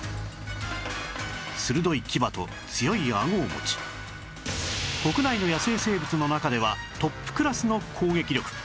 鋭い牙と強い顎を持ち国内の野生生物の中ではトップクラスの攻撃力